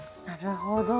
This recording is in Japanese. なるほど。